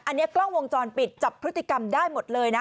อันนี้กล้องวงจรปิดจับพฤติกรรมได้หมดเลยนะ